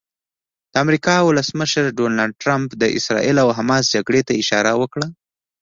د امریکا ولسمشر ډونالډ ټرمپ د اسراییل او حماس جګړې ته اشاره وکړه.